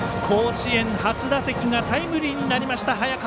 甲子園初打席がタイムリーになりました。